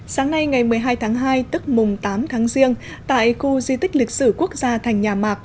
sáng nay ngày một mươi hai tháng hai tức mùng tám tháng riêng tại khu di tích lịch sử quốc gia thành nhà mạc